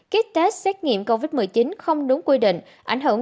kết test xét nghiệm covid một mươi chín không đúng quy định